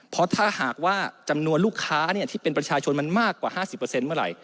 เพราะถ้าหากว่าจำนวนลูกค้าเนี้ยที่เป็นประชาชนมันมากกว่าห้าสิบเปอร์เซ็นต์เมื่อไหร่